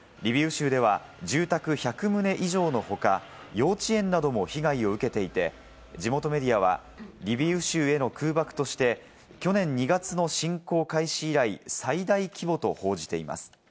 州では住宅１００棟以上の他、幼稚園なども被害を受けていて、地元メディアはリビウ州への空爆として去年２月の侵攻開始以来、最大規模と報じています。